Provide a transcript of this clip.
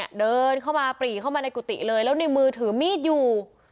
เดินเข้ามาปรีเข้ามาในกุฏิเลยแล้วในมือถือมีดอยู่